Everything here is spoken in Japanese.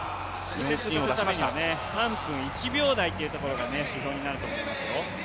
３分１秒台というところが指標になると思いますよ。